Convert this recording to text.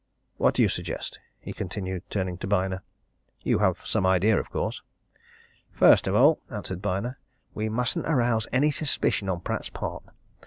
What do you suggest?" he continued, turning to Byner. "You have some idea, of course?" "First of all," answered Byner, "we mustn't arouse any suspicion on Pratt's part.